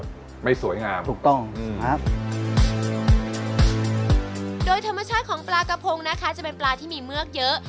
โดยธรรมชาติของปลากระโพงนะคะจะเป็นปลาที่มีเมือกเยอะ